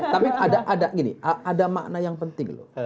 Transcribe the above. tapi ada makna yang penting loh